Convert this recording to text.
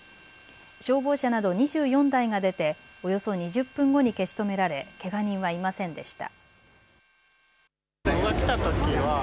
消防車など２４台が出ておよそ２０分後に消し止められけが人はいませんでした。